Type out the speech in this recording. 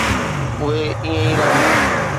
اهي ائين ئي رهندا.